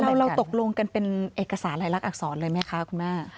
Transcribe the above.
เราตกลงกันเป็นเอกสารลายลักษณอักษรเลยไหมคะคุณแม่